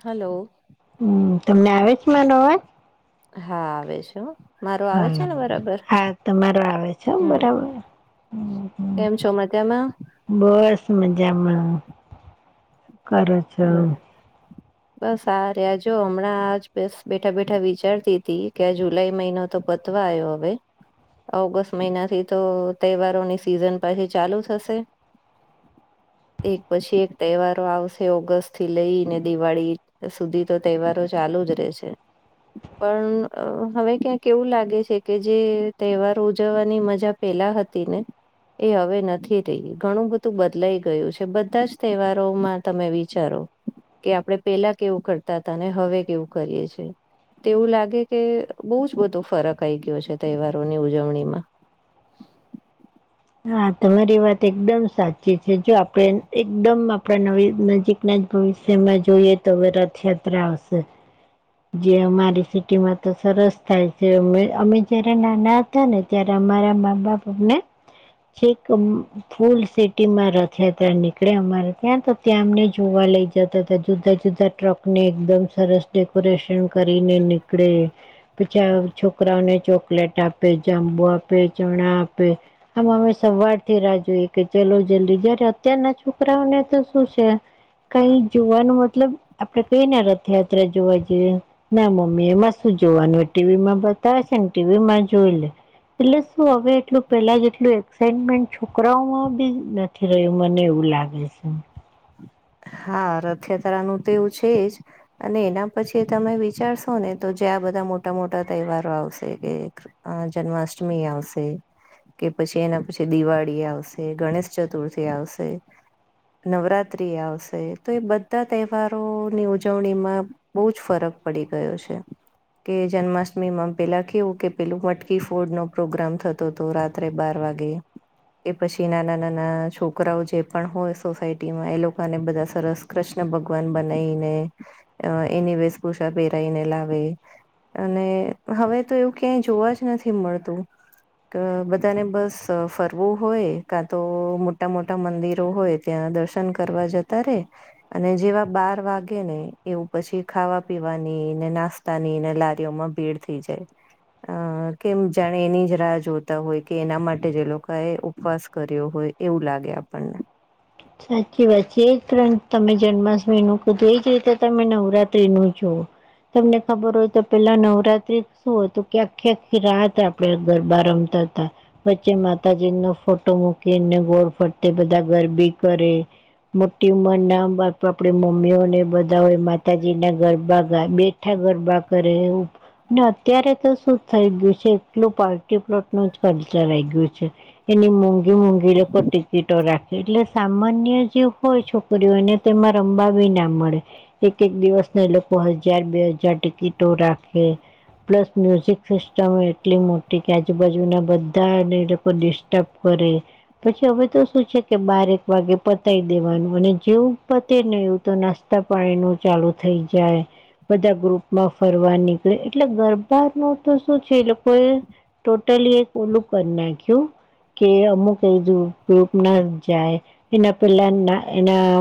Hello હમ, તમને આવે જ હા આવે છે. મારો આવે છે હા ને બરાબર હા તમારો આવે છેમ, હમ બરાબર કેમ છો, મજમાં બસ મજામાં કર [unintelligible] બસ આ રહ્યા જો હમણાંજ બસ બેઠા બેઠા વિચારતી હતી, કે આ જુલાઈ મહિનો તો બતવા આવયો હવે ઓગસ્ટ મહિના થી તો તહેવારોની સિઝન પછી ચાલુ થશે. એક પછી એક તહેવારો આવશે ઓગસ્ટ થી લઈને દિવાળી સુધી તો તહેવારો ચાલુ જ રહેે છે. પણ હવે ક્યાંક એવું લાગે છે, કે જે તહેવાર ઉજવવાની મજા પેલા હતી ને એ હવે નથી રહી ઘણું બધું બદલાઈ ગયુ છે. બધા જ તહેવારોમા તમે વિચારો કે આપડણે પેલા કેવું કરતા હતા હવે કેવું કરીએ છે. તે એવું લાગે કે બહુ જ બધો ફરક આઈ ગયો છે. તહેવારોની ઉજવણીમા હા તમારી વાત એકદમ સાચી છે, જો આપણે એકદમ આપડા નવી નજીક. આપના જ ભવિષ્યમાં જોઈએ, તો હવે રથયાત્રા આવશે જે અમારી સિટીમાં તો સરસ થાય છે, મે અમે જયારે નાના અ હતા ને ત્યારે અમારા મા-બાપ અમને શક ફૂલ સિટીમાં રથયાત્રા નીકળે અમારે ત્યાં તો ત્યાં અમને જોવા લઈ જતા હતા જુદા જુદા. ટ્રક ને એકદમ સરસ ડેકોરેશન કરીને નીકળે પછા છોકરાઓને, ચોકલેટ આપે જાંબુ આપે ચણા આપે આમ અમે સવાર થી રાુએ કે ચલો જલ્દી જ્યારે અત્યારના છોકરાઓને તો શું છે. કઈ જોવાનું મતલબ આપડે કઈએ ને રથયાત્રા જોવા જઈએ ના, મમ્મી એમાં શું જોવાનું ટીવીમાં બતાવે છે ને ટીવીમાં જોઈ લે. એટલે શું હવે એટલું પેલા જેટ એટલું એક્સાઇટમેન્ટ છોકરાઓમાં બી નથી રહ્યું મને એવું લાગે છે. હા, રથયાત્રાનું તો એવું છે જ અને એના પછી તમે વિચારશો ને તો જે આ બધા મોટા-મોટા તહેવારો આવશે કે આ જન્માષ્ટમી આવશે કે પછી એના પછી દિવાળી આવશે, ગણેશ ચતુર્થી આવશે નવરાત્રિ આવશ તે તો એ બધા તહેવારોની ઉજવણીમાં બઉ જ ફરક પડી ગયો છે. કે જન્માષ્ટમીમાં પેલા કેવું કે પેલું મટકી ફોડનો પ્રોગ્રામ થતો તો રાત ત્રે બાર વાગે. એ પછી નાના-નાના છોકરાઓ જે પણ હોય સોસાયટીમાં એ લોકાને બધા સરસ કૃષ્ણ ભગવાન બનાઈને અ એની વેશભૂષા પહેરાઈને લાવે. અને હવે તો એવું ક્યાંય જોવા જ નથી મળતું. ત બધાને બસ ફરવું હોય કાં તો મોટા-મોટા મંદિરો હોય ત્યાં દર્શન કરવા જતા રે અને જેવા બાર વાગેને એવું પછી ખાવા-પીવાની ને નાસ તાની ને લારીઓમાં ભીડ થઈ જાય. અ કેમ જાણે એની જ રાહ જોતા હોય કે એના માટે જે લોકો એ ઉપવાસ કર્યો હોય એવું લાગે આપડને. સાચી વાત છે, ત્રણ તમે જન્માષ્ટમીનું કીધું એ જ રીતે તમે નવરાત્રીનું જુઓ તમને ખબર હોય તો પેલા નવરાત્રી શું હતું કે આખી-આખી રાત આ પડે ગરબા રમતા તા. વચ્ચે માતાજીનો ફોટો મૂકીને ગોળ ફરતે બધા ગરબી કરે. મોટી ઉંમરના બાપ આપડે મમ્મીઓને બધા હોય માતાજીના ગરબા ગાય બે ઠા ગરબા કરે ને અત્યારે તો શું થઈ ગયું છે, એટલું પાર્ટી પ્લોટમાં જ ખર્ચા રઈ ગયું છે. એની મોંઘી-મોંઘી લોકો ટિકિટો રાખે એટલે સામાન્ય જે હોય છોકરીઓ એને તો એમાં રમવા બી ના મળે. એક-એક દિવસના એ લોકો હજાર બે હજાર ટિકિટો રાખે. પ્લસ મ્યુઝિક સિસ્ટમ એટલી મોટી કે આજુબાજુના બધાને એ લોકો ડિસ્ટર્બ કરે. પછી હવે તો શું છે કે બારેક વાગે પતાઈ દેવાનું, અને જેવું પતે ને એવુ તો નાસ્તા-પાણીનું ચાલુ થઈ જાય. બધા ગ્રુપમાં ફરવા નીકળે, એટલે ગરબાનો તો શું છે એ લોકો એ ટોટલી એક ઓલું કર નાખ્યું કે અમુક [unintelligible] ના જાય, કે ન પેલા એના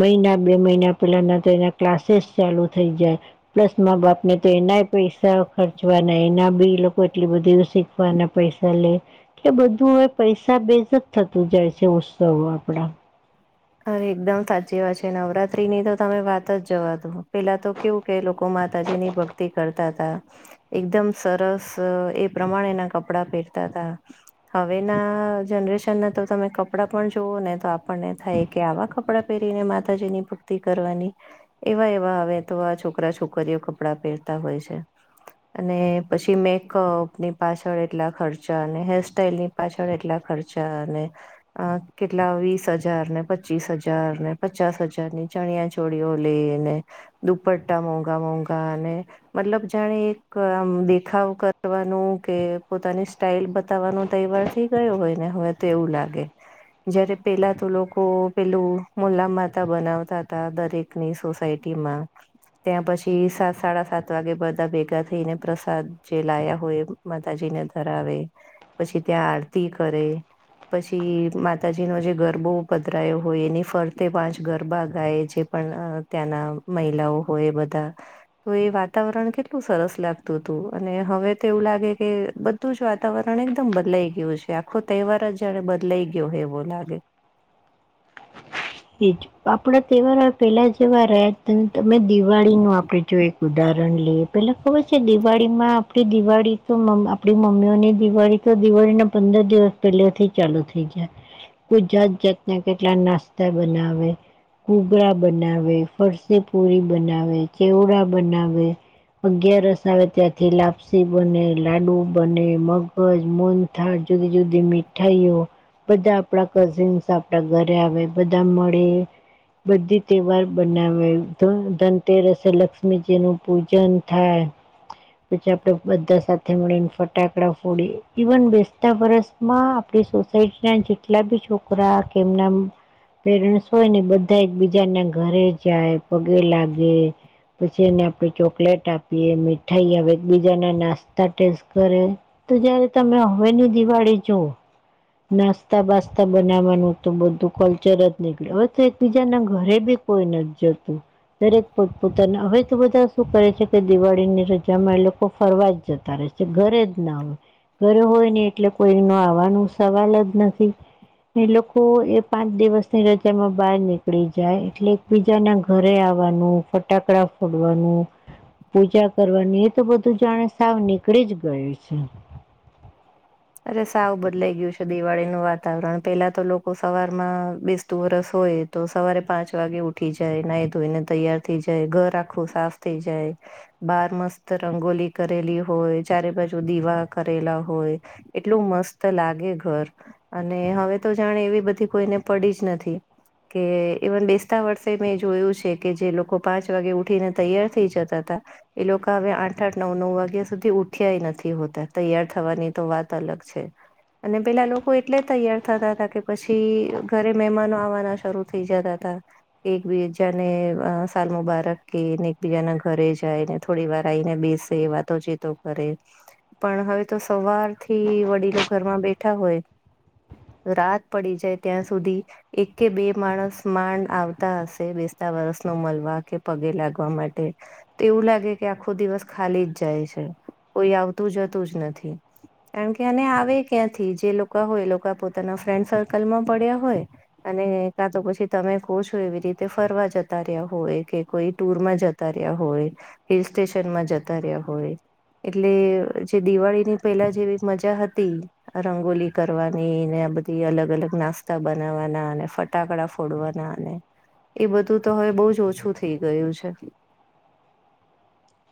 મહિના બે મહિના પેલા ના તો એના ક્લાસીસ ચાલુ થઈ જાય. પ્લસ મા-બાપને તો એનાય પૈસા ખર્ચવાના, એના બી લોકો એટલુ બધું શી તાના પૈસા લે કે બધું હવે પૈસા બેઝ જ થતું જાય છે ઉત્સવ હવે બડા [unintelligible] અરે, એકદમ સાચી વાત છે, નવરાત્રીની તો તમે વાત જ જવા દો. પેલા તો કેવું કે એ લોકો માતાજીની ભક્તિ કરતા તા. એકદમ સરસ એ પ્રમાણેના કપડા પહેરતા તા. હવેના જનરેશન ના તો તમે કપડાં પણ જોવો ને તો આપણને થાય કે આવા કપડાં પહેરીને માતાજીની ભક્તિ કરવાની. એવા એવા અવે તો આ છોકરા-છોકરીઓ કપડાં પહેરતા હોય છે. અને પછી મેકઅપની પાછળ એટલા ખર્ચા અને હેરસ્ટાઈલની પાછળ એટલા ખર્ચા અને કેટલા વીસ હજાર ને પચીસ હજાર ને પચાસ હજાર ની ચણિયા ચોળીઓ લે ને દુપટ્ટા મોંઘા મોંઘા અને મતલબ જાણે એક આમ દેખાવ કરવાનું કે પોતાની સ્ટાઈલ બતાવવાનું તહેવાર થઈ ગયો હોય ને હવે તો એવું લાગે. જયારે પહેલા તો લોકો પેલું મુલા માતા બનાવતાતા દરેકની સોસાયટીમાં. ત્યાં પછી સાત સાડા સાત વાગે બધા ભેગા થઈને પ્રસાદ જે લાયા હોય માતાજીને ધરાવે. પછી ત્યાં આરતી કરે પછી માતાજી નો જે ગરબો પધ હોય એની ફરતે પાંચ ગરબા ગાય જે પણ ત્યાંના મહિલાઓ હોય બધા. તો એ વાતાવરણ કેટલું સરસ લાગતું હતું અને હવે તો એવું લાગે કે બધું જ વાતાવરણ એકદમ બદલાઈ ગયું છે આખો તહેવાર જાણે બદલાઈ ગયો હોય એવો લાગે. ઈજ. આપણા તહેવારો પહેલાં જેવા રહ્યા જ નથી તમે દિવાળીનું આપણે જો એક ઉદાહરણ લઈએ પેલાં ખબર છે દિવાળીમાં આપણી દિવાળી તો આપણી મમ્મીઓની દિવાળી તો દિવાળીના પંદર દિવસ પેલે થી ચાલુ થઈ જાય કો જાત જાતના કેટલા નાસ્તા બનાવે ઘૂગરા બનાવે ફરસીપુરી બનાવે ચેવડા બનાવે અગિયાર રસ આવે ત્યાંથી લાપસી બને લાડુ બને મગજ તા જુદી જુદી મીઠાઈઓ બધા આપણા કઝિન્સ આપડા ઘરે આવે. બધા મળે બધી તહેવાર બનાવે ધનતેરસે લક્ષ્મીજી નું પૂજન થાય. પછી આપડે બધા સાથે મળીને ફટાકડા ફોડી ઇવન બેસતા વરસ માં આપણી સોસાયટી ના જેટલા બી છોકરા કે એમના પેરેન્ટ્સ હોય ને બધા એક બીજાને ઘરે જાય પગે લાગે. પછી એને આપણે ચોકલેટ આપીએ મીઠાઈ આવે એકબીજા ના નાસ્તા ટેસ્ટ કરે તો જયારે તમે હવેની દિવાળી જોવો. નાસ્તા બાસ્તા બનાવાનું તો બધું તરત નીકળી હવે તો એકબીજાના ઘરે બી કોઈ નથી જતું. દરેક પોતપોતાને હવે તો બધા શું કરે છે કે દિવાળીની રજામાં એ લોકો ફરવા જ જતા રહે. ઘરે જ ના આવેય ઘરે હોય ને એટલે કોઈ ન આવવાનું સવાલ જ નથી. એ લોકો એ પાં દિવસની રજામાં બહાર નીકળી જાય એટલે એકબીજાના ઘરે આવવાનું ફટાકડા છોડવાનું પૂજા કરવાનું એ તો બધું જાણે સાવ નીકળી જ ગયું છે. અરે સાવું બદલાઈ ગયું છે દિવાળીનું વાતાવરણ. પેલા તો લોકો સવાર માં બેસતું વરસ હોય તો સવારે પાંચ વાગે ઉઠી જાય નાઈ ધોઈને તૈયાર થઈ જાય ઘર આખું સાફ થઈ જાય. બાર મસ્ત રંગોલી કરેલી હોય ચારે બાજુ દીવા કરેલા હોય. એટલું મસ્ત લાગે ઘર અને હવે તો જાણે એવી બધી કોઈને પડી જ નથી. કે ઇવન બેસતા વર્ષે મેં જોયું છે કે જે લોકો પાંચ વાગે ઉઠીને તૈયાર થઈ જતા તા એ લોકો હવે આઠ આઠ નવ નવ વાગ્યા સુધી ઉઠ્યાય નથી હોતા તૈયાર થવાની તો વાત અલગ છે. અને પેલા લોકો એટલે તૈયાર થતા હતા કે પછી ઘરે મહેમાનો આવવાના શરૂ થઈ જતા તા એકબીજાને સાલ મુબારક કે ને એકબીજાના ઘરે જાય ને થોડી વાર આઈને બેસે વાતોચીતો કરે પણ હવે તો સવારથી થી વડીલો ઘરમાં બેઠા હોય રાત પડી જાય ત્યાં સુધી એક કે બે માણસ માંડ આવતા હશે બેસતા વરસ ન મળવા કે પગે લાગવા માટે. તો એવું લાગે કે આખો દિવસ ખાલી જ જાય છે કોઈ આવતું જતું જ નથી કારણ કે એને આવે ક્યાંથી જે લોકો હોય એ લોકો પોતાના ફ્રેન્ડ સર્કલમાં પડ્યા હોય અને કા તો પછી તમે કહ છો એવી રીતે ફરવા જતા રહ્યા હોય કે કોઈ ટુરમાં જ રહ્યા હોય હિલ સ્ટેશનમાં જતા રહ્યા હોય. એટલે જે દિવાળીની પહેલા જેવી મજા હતી રંગોલી કરવાની ને આ બધી અલગ અલગ નાસ્તા બનાવવાના અને ફ ટાકડા ફોડવાનાને એ બધું તો હવે બહ જ ઓછું થઈ ગયું છે.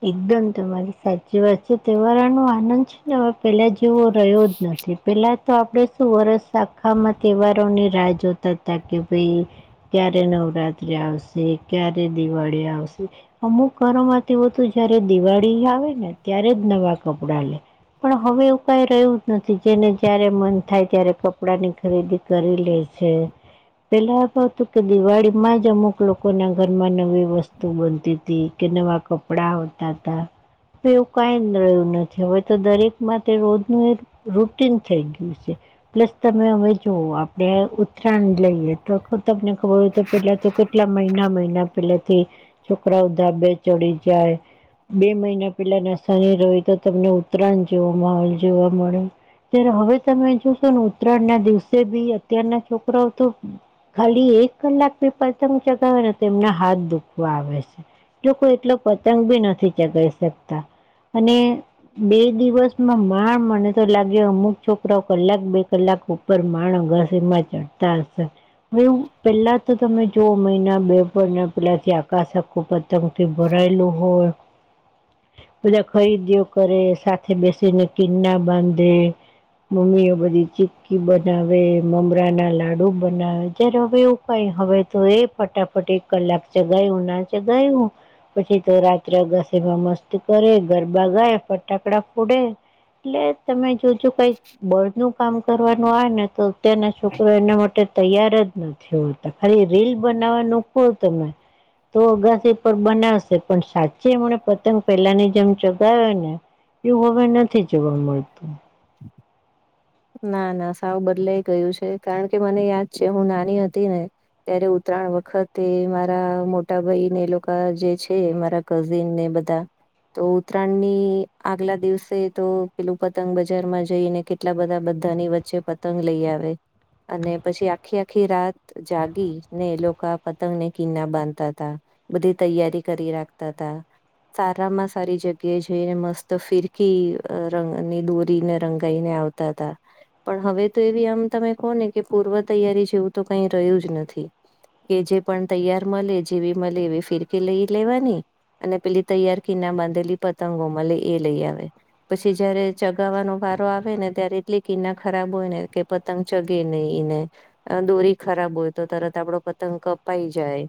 એકદમ તમારી સાચી વાત છે તહેવારોનો આનંદ છે હવે પેલા જેવો રહ્યો જ નથી પેલા તો આપણેે શું વર્ષ આખામાં તહેવારોની રાહ જોતા હતા કે ભાઈ ક્યારે નવરાત્રી આવશે ક્યારે દિવાળી આવશે અમુક ઘરોમાં તેઓ તો જયારે દિવાળી આવે ને ત્યારે જ નવા કપડાં લે પણ હવે એવું કઈ રહ્યું જ નથી જેને જયારે મન થાય ત્યારે કપડા ની ખરીદી કરી લે છે. પેલા તો હતું કે દિવાળીમાં જ અમુક લોકો ના ઘરમાં નવી વસ્તુ બનતી હતી. કે નવા કપડા હોતા હતા એવું કઈ રહ્યું નથી હવે તો દરેક માટે તે રોજ નું એજ રૂટીન થઈ ગયું છે. પ્લસ તમે અમે જુઓ આપણે ઉત્તરાયણ લઈએ તો તમને ખબર હોય તો પેલા તો કોઇ એટલા મહિના મહિના પેલા થી છોકરાઓ ધાબે ચડી જાય બે મહિના પેલા [unintelligible] તો તમને ઉત્તરાયણ જેવો માહોલ જોવા મળ્યો અ્યારે હવે તમે જોશો ને ઉત્તરાયણ ના દિવસે બી અત્યારના છોકરા તો ખાલી એક કલાક બી પતંગ ચગાવે ને તેમના હાથ દુખવા આવે છે. જો કોઈ એટલો પતંગ બી નથી ચગાઈ શકતા અને બે દિવસમાં માંણ મને તો લાગે અમુક છોકરાઓ કલાક બે કલાક ઉપ ર માણહ અગાસીમાં ચઢતા હશે. એવું પેલા તો તમે જોઓ મહિના બે મહિના પેલાથી આકાશ આખું પતંગથી ભરાયેલું હોય. બધા ખરીદીઓ કરે સાથે બેસીને કિન્ના બાંધે. મમ્મીઓ બધી ચી્કી બનાવે મમરા ના લાડુ બનાવે જય્યારે હવે એવું ભાઈ હવે તો એ ફટાફટ એક કલાક ચગાયું ના ચગાયું પછી તો રાત્રે અગાસીમાં મસ્તી કરે ગરબા ગાય ફટાકડા ફોડે એટલે તમે જો જો કઈ બળ નું કામ કરવાનું આવે ને તો અત્યારના છોકરો એના માટે તૈયાર જ નથી હોતા ખાલી રીલ બનાવવાનું કો તમે તો અગાસી પર બનાવ શે પણ સાચી એમને પતંગ પેલા ની જેમ ચગાવે ને એવું હવે નથી જોવા મળતું. ના ના સાવ બદલાય ગયું છે કારણ કે મને યાદ છે હું નાની હતી ને ત્યારે ઉત્તરાયણ વખતે મારા મોટા ભાઈ ને એ લોકો જે છે મારા કઝીન ને બધા તો ઉત્તરાયણ ની આગલા દિવસે તો પેલું પતંગ બજાર માં જઈને કેટલા બધા બધાની વચ્ચે પતંગ લઈ આવે અને પછી આખી આખી રાત જાગી ને એ લોકો આ પતંગ ને કિના બાંધતા હતા બધી તૈયારી કરી રાખતા હતા. સારામાં સારી જગ્યાએ જઈને મસ્ત ફિરકી રંગ ની દોરીને રંગ લઈ ને આવતા હતા પણ હવે તો એવી આમ તમે કહો ને કે પૂર્વ તૈયારી જેવું તો કઈ રહ્યું જ નથી. કે જે પણ તૈયાર મલે જેવી મલે એવી ફિરકી લઈ લેવાની અને પેલી તૈયાર કીના બાંધેલી પતંગો મળે એ લઈ આવાની. પછી જયારે ચગાવવાનો વારો આવે ને ત્યારે એટલે કિના ખરાબ હોય ને કે પતંગ ચગે નય એને. દોરી ખરાબ હોય તો તરત આપડો પતંગ કપાઈ જાય.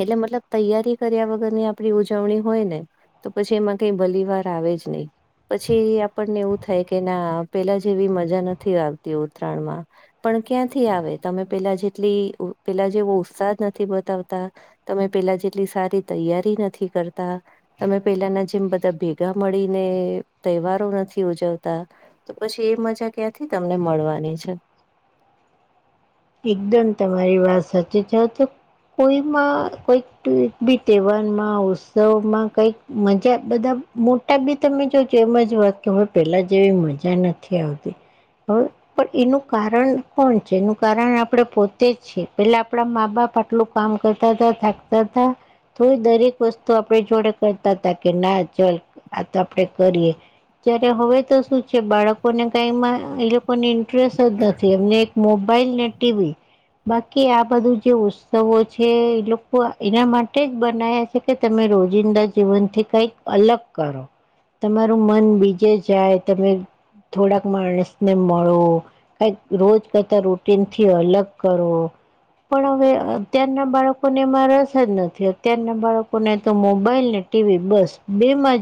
એટલે મતલબ તૈયારી કર્યા વગરની આપણી ઉજવણી હોય ને તો પછી એમાં કઈ ભલી વાર આવે જ નહીિ પછી આપણને એવું થાય કે ના. પેલા જેવી મજા નથી આવતી ઉત્તરાયણ માં. પણ ક્યાંથી આવે તમે પેલા જેટલી પેલા જેવો ઉત્સાહ નથી બતાવતા. તમે પેલા જેટલી સારી તૈયારી નથી કરતા. તમે પેલાના જેમ બધા ભેગા મળીને તહેવારો નથી ઉજવતા. તો પછી એ મજા ક્યાંથી તમને મળવાની છે. એકદમ તમારી વાત સાચી છે તો. કોઈમાં કઈક બી તહેવારમાં ઉત્સવમાં કઈક. મજા બધા મોટા બી તમે જો જેમ જ વાત કે હ પેલા જેવી મજા નથી આવતી. હ પણ એનું કારણ કોણ છે એનું. કારણ આપડે પોતે જ છેએ પેલા આપડા મા બાપ આટલું કામ કરતા હતા થાકતા હતા. તો દરેક વસ્તુ આપણે જોડે કરતા હતા કે ના ચલ આ તો આપણેે કરીએ. ત્યારે હવે તો શું છે બાળકોને કઈમાં એ લોકોની. જ નથી એમને એક મોબાઈલ ને ટીવી. બાકી આ બધું જે ઉત્સવો છે એ લોકો એના માટે જ બના્યા છે. કે તમે રોજિંદા જીવન થી કઈક અલગ કરો. તમારું મન બીજે જાય તમે. થોડાક માણસને મળો કઈક રોજ કરતા રો. તેથી અલગ કરવો. પણ હવે અત્યારના બાળકોને એમાં રસ જ નથી અત્યારના બાળકોને તો મોબાઈલ ને. ટીવી બસ બે માજી.